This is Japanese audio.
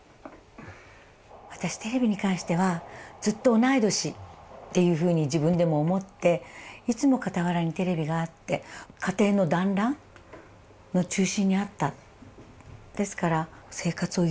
私テレビに関してはずっと同い年っていうふうに自分でも思っていつも傍らにテレビがあって家庭の団らんの中心にあった。